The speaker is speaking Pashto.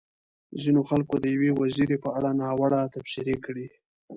ځينو خلکو د يوې وزيرې په اړه ناوړه تبصرې کړې.